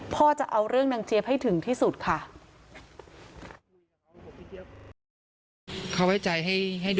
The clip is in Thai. จะเอาเรื่องนางเจี๊ยบให้ถึงที่สุดค่ะ